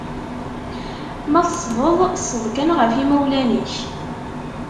Ma teṣṣdeḍ, ṣṣed kan ɣef imawlan-ik!